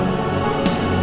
ya allah ya allah